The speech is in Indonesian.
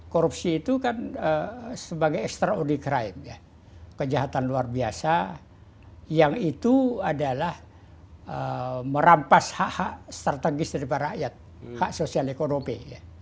korupsi itu kan sebagai extraordi crime kejahatan luar biasa yang itu adalah merampas hak hak strategis daripada rakyat hak sosial ekonomi